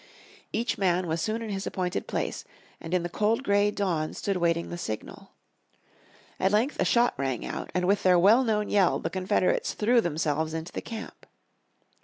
Each man was soon in his appointed place, and in the cold grey dawn stood waiting the signal. At length a shot rang out, and with their well known yell the Confederates threw themselves into the camp.